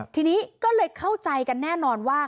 ทีนี้ก็เลยเข้าใจกันแน่นอนว่า